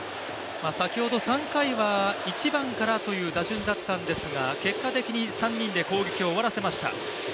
先ほど３回は１番からという打順だったんですが結果的に３人で攻撃を終わらせました。